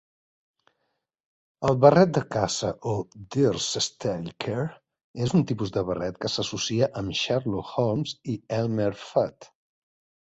El barret de caça o Deerstalker és un tipus de barret que s'associa amb Sherlock Holmes i Elmer Fudd.